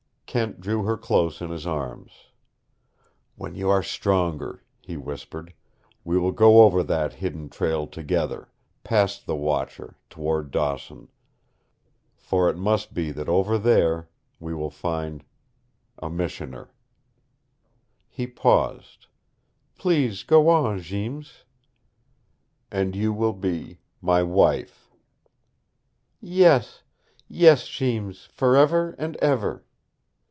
Kent drew her close in his arms. "When you are stronger," he whispered, "we will go over that hidden trail together, past the Watcher, toward Dawson. For it must be that over there we will find a missioner " He paused. "Please go on, Jeems." "And you will be my wife." "Yes, yes, Jeems forever and ever.